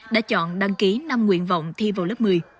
đã chọn đăng ký năm nguyện vọng thi vào lớp một mươi